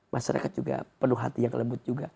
masyarakat juga penuh hati yang lembut juga